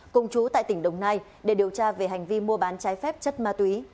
cùng chú tại tỉnh đồng nai để điều tra về hành vi mua bán trái phép chất ma túy